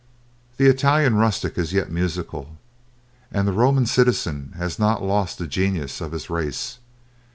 The Italian rustic is yet musical, and the Roman citizen has not lost the genius of his race.